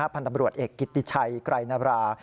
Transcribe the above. พันธบรวจเอกกิติชัยไกรนรา